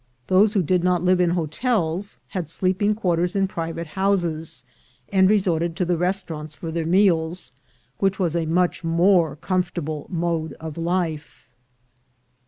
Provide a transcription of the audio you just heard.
Those who did not live in hotels had sleep ing quarters in private houses, and resorted to the restaurants for their meals, which was a much more comfortable mode of life.